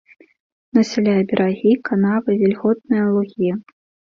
Насяляе берагі, канавы, вільготныя лугі.